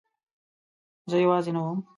زه یوازې نه وم.